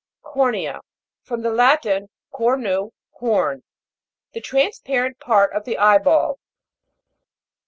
COR'NEA. From the Latin, cornu, horn. The transparent part of the eye ball.